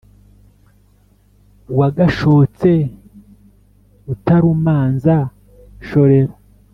wagashotse utarumanza shorera